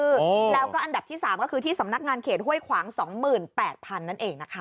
แล้วก็อันดับที่๓ก็คือที่สำนักงานเขตห้วยขวาง๒๘๐๐นั่นเองนะคะ